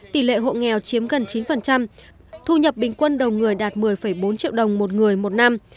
tỷ lệ hộ nghèo chiếm gần chín thu nhập bình quân đầu người đạt một mươi bốn triệu đồng một người một năm